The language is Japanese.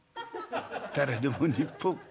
「誰でも日本。